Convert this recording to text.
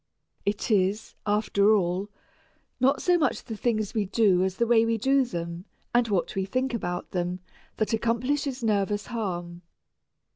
It is, after all, not so much the things we do as the way we do them, and what we think about them, that accomplishes nervous harm.